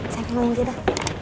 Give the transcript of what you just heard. saya kemaren aja dah